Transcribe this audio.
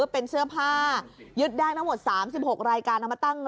เป็นเสื้อผ้า